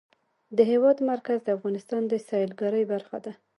د هېواد مرکز د افغانستان د سیلګرۍ برخه ده.